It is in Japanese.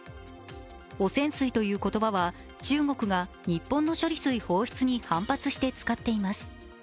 汚染水という言葉は中国が日本の処理水放出に反発して使っています。